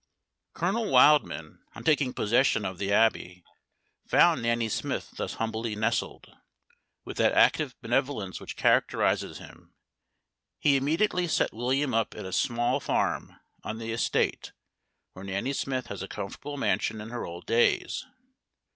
Colonel Wildman, on taking possession of the Abbey, found Nanny Smith thus humbly nestled. With that active benevolence which characterizes him, he immediately set William up in a small farm on the estate, where Nanny Smith has a comfortable mansion in her old days.